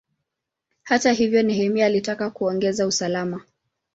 Hata hivyo, Nehemia alitaka kuongeza usalama.